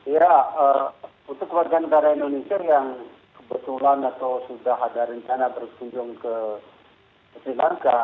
ya untuk warga negara indonesia yang kebetulan atau sudah ada rencana berkunjung ke sri lanka